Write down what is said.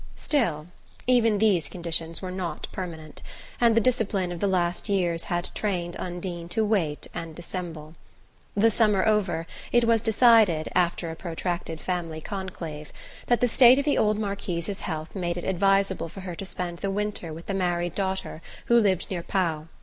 Still, even these conditions were not permanent, and the discipline of the last years had trained Undine to wait and dissemble. The summer over, it was decided after a protracted family conclave that the state of the old Marquise's health made it advisable for her to spend the winter with the married daughter who lived near Pau.